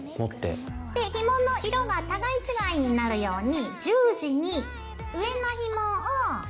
でひもの色が互い違いになるように十字に上のひもを隣のひもの上に載っけます。